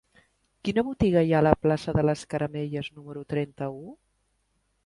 Quina botiga hi ha a la plaça de les Caramelles número trenta-u?